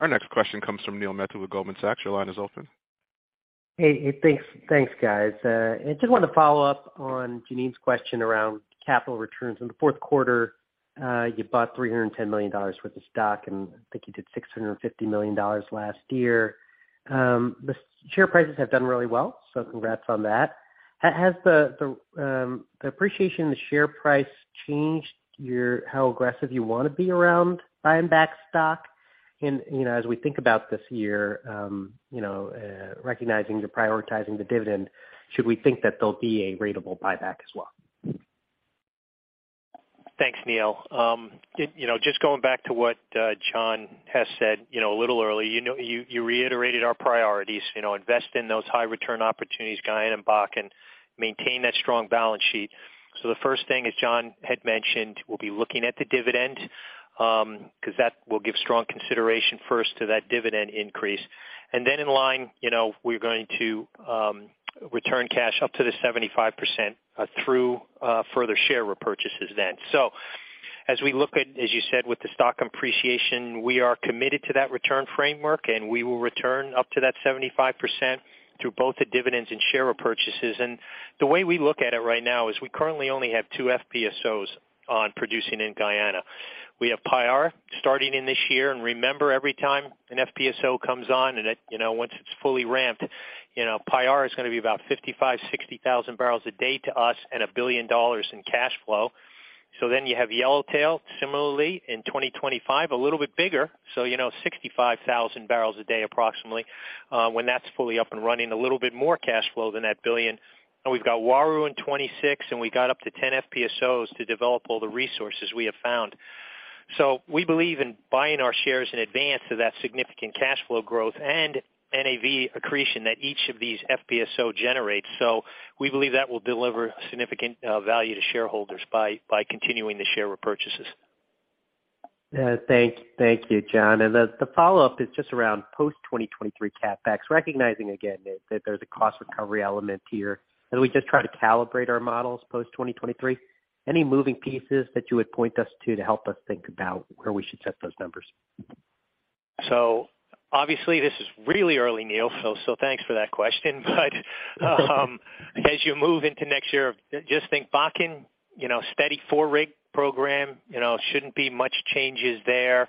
Our next question comes from Neil Mehta with Goldman Sachs. Your line is open. Hey. Hey, thanks. Thanks, guys. I just wanted to follow up on Jeanine question around capital returns. In the fourth quarter, you bought $310 million worth of stock, and I think you did $650 million last year. The share prices have done really well, congrats on that. Has the appreciation in the share price changed how aggressive you wanna be around buying back stock? You know, as we think about this year, you know, recognizing you're prioritizing the dividend, should we think that there'll be a ratable buyback as well? Thanks, Neil. You know, just going back to what John has said, you know, a little early. You know, you reiterated our priorities, you know, invest in those high return opportunities, Guyana and Bakken, maintain that strong balance sheet. The first thing, as John had mentioned, we'll be looking at the dividend, 'cause that will give strong consideration first to that dividend increase. Then in line, you know, we're going to return cash up to the 75% through further share repurchases then. As we look at, as you said, with the stock appreciation, we are committed to that return framework, and we will return up to that 75% through both the dividends and share repurchases. The way we look at it right now is we currently only have 2 FPSOs on producing in Guyana. We have Payara starting in this year. Remember every time an FPSO comes on and it, you know, once it's fully ramped, you know, Payara is gonna be about 55,000-60,000 barrels a day to us and $1 billion in cash flow. You have Yellowtail similarly in 2025, a little bit bigger, so, you know, 65,000 barrels a day approximately. When that is fully up and running, a little bit more cash flow than that billion. We've got Uaru in 2026, and we got up to 10 FPSOs to develop all the resources we have found. We believe in buying our shares in advance of that significant cash flow growth and NAV accretion that each of these FPSO generates. We believe that will deliver significant value to shareholders by continuing the share repurchases. Thank you, John. The follow-up is just around post-2023 CapEx, recognizing again that there's a cost recovery element here. We just try to calibrate our models post-2023. Any moving pieces that you would point us to help us think about where we should set those numbers? This is really early, Neil, so thanks for that question. As you move into next year, just think Bakken, you know, steady 4 rig program, you know, shouldn't be much changes there.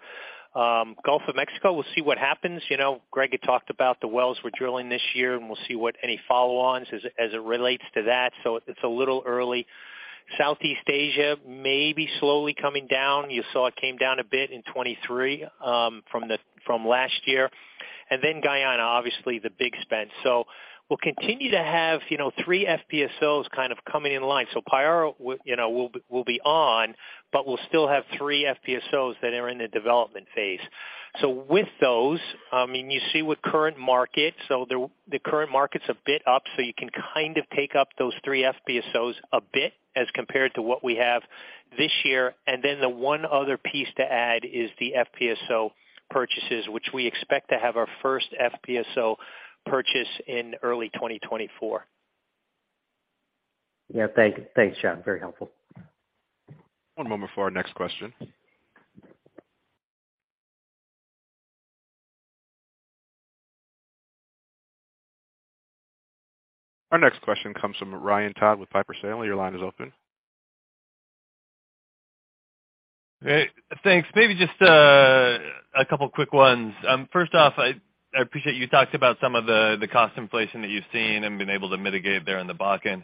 Gulf of Mexico, we'll see what happens. You know, Greg had talked about the wells we're drilling this year, and we'll see what any follow-ons as it relates to that. It's a little early. Southeast Asia may be slowly coming down. You saw it came down a bit in 2023, from last year. Guyana, obviously the big spend. We'll continue to have, you know, 3 FPSOs kind of coming in line. Payara will be on, but we'll still have 3 FPSOs that are in the development phase. With those, I mean, you see with current market, the current market's a bit up, so you can kind of take up those 3 FPSOs a bit as compared to what we have this year. The one other piece to add is the FPSO purchases, which we expect to have our first FPSO purchase in early 2024. Yeah, thanks, John. Very helpful. One moment for our next question. Our next question comes from Ryan Todd with Piper Sandler. Your line is open. Hey, thanks. Maybe just a couple quick ones. First off, I appreciate you talked about some of the cost inflation that you've seen and been able to mitigate there in the Bakken.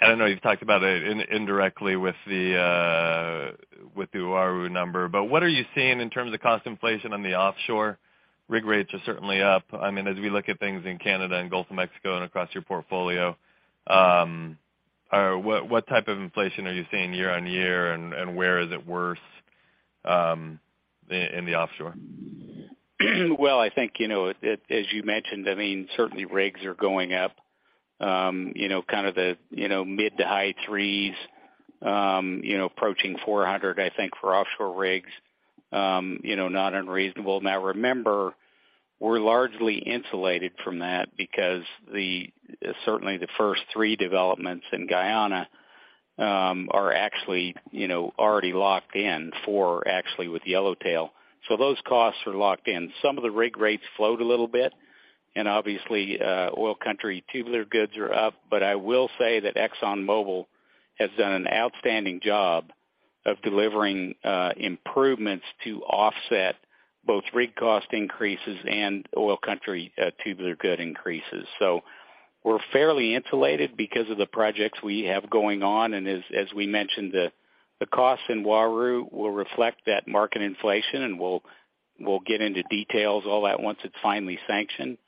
I don't know, you've talked about it indirectly with the Uaru number. What are you seeing in terms of cost inflation on the offshore? Rig rates are certainly up. I mean, as we look at things in Canada and Gulf of Mexico and across your portfolio, what type of inflation are you seeing year-over-year and where is it worse in the offshore? Well, I think you know, as you mentioned, I mean, certainly rigs are going up, you know, kind of the, you know, mid to high 3s, you know, approaching 400, I think, for offshore rigs, you know, not unreasonable. Now remember, we're largely insulated from that because certainly the first 3 developments in Guyana, are actually, you know, already locked in, 4 actually with Yellowtail. So those costs are locked in. Some of the rig rates float a little bit and obviously, Oil Country Tubular Goods are up. I will say that ExxonMobil has done an outstanding job. Of delivering improvements to offset both rig cost increases and Oil Country Tubular Goods increases. We're fairly insulated because of the projects we have going on, and as we mentioned, the cost in Uaru will reflect that market inflation, and we'll get into details all at once it's finally sanctioned.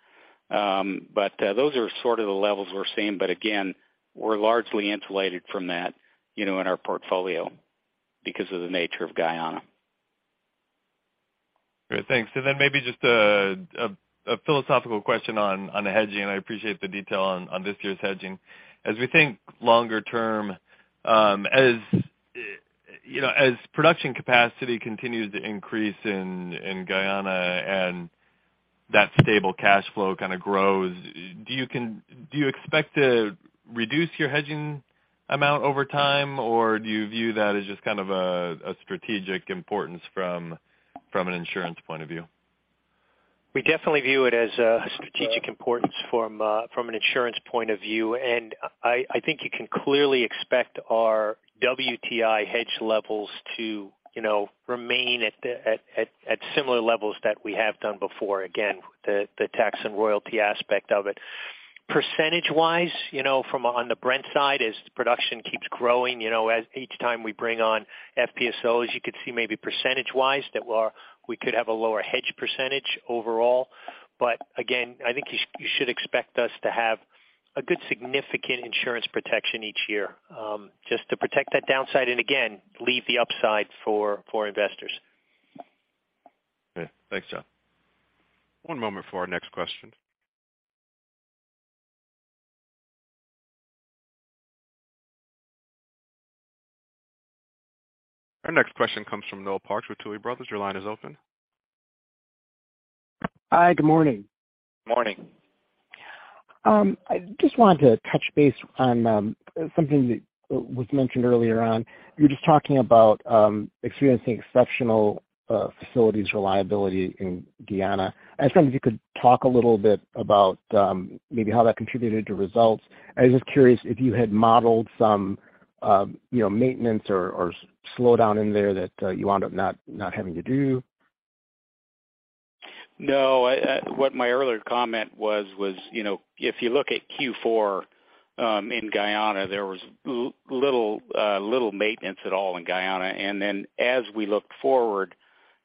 Those are sort of the levels we're seeing, but again, we're largely insulated from that, you know, in our portfolio because of the nature of Guyana. Great. Thanks. Then maybe just a philosophical question on the hedging, I appreciate the detail on this year's hedging. As we think longer term, as, you know, as production capacity continues to increase in Guyana and that stable cash flow kind of grows, do you expect to reduce your hedging amount over time, or do you view that as just kind of a strategic importance from an insurance point of view? We definitely view it as a strategic importance from an insurance point of view. I think you can clearly expect our WTI hedge levels to, you know, remain at similar levels that we have done before, again, the tax and royalty aspect of it. Percentage-wise, you know, on the Brent side, as production keeps growing, you know, as each time we bring on FPSOs, you could see maybe percentage-wise that we could have a lower hedge percentage overall. Again, I think you should expect us to have a good significant insurance protection each year, just to protect that downside and again, leave the upside for investors. Okay. Thanks, John. One moment for our next question. Our next question comes from Noel Parks with Tuohy Brothers. Your line is open. Hi. Good morning. Morning. I just wanted to touch base on something that was mentioned earlier on. You were just talking about experiencing exceptional facilities reliability in Guyana. I was wondering if you could talk a little bit about maybe how that contributed to results. I was just curious if you had modeled some, you know, maintenance or slowdown in there that you wound up not having to do. No. What my earlier comment was, you know, if you look at Q4, in Guyana, there was little maintenance at all in Guyana. As we look forward,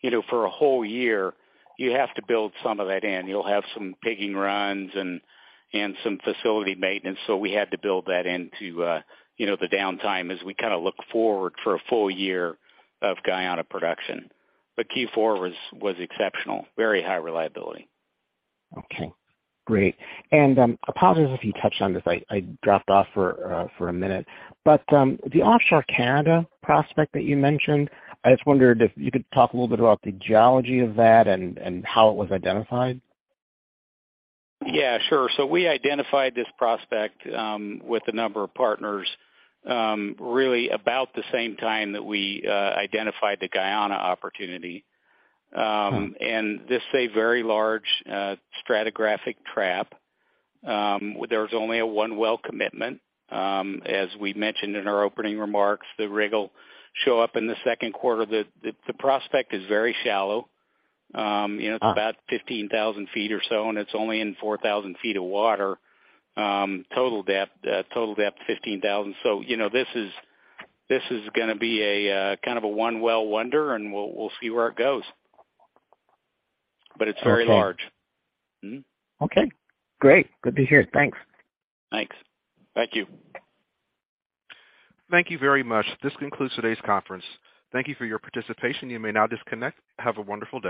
you know, for a whole year, you have to build some of that in. You'll have some pigging runs and some facility maintenance. We had to build that into, you know, the downtime as we kinda look forward for a full year of Guyana production. Q4 was exceptional. Very high reliability. Okay. Great. Apologies if you touched on this. I dropped off for a minute. The offshore Canada prospect that you mentioned, I just wondered if you could talk a little bit about the geology of that and how it was identified. Yeah, sure. We identified this prospect with a number of partners, really about the same time that we identified the Guyana opportunity. This is a very large stratigraphic trap. There's only a one well commitment. As we mentioned in our opening remarks, the rig will show up in the second quarter. The prospect is very shallow. You know, it's about 15,000 feet or so, and it's only in 4,000 feet of water, total depth. Total depth 15,000. You know, this is gonna be a kind of a one well wonder, and we'll see where it goes. But it's very large. Okay. Mm-hmm. Okay, great. Good to hear. Thanks. Thanks. Thank you. Thank you very much. This concludes today's conference. Thank you for your participation. You may now disconnect. Have a wonderful day.